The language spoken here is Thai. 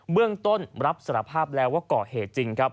เบื้องต้นรับสารภาพแล้วว่าก่อเหตุจริงครับ